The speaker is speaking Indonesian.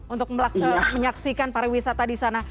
untuk menyaksikan para wisata di sana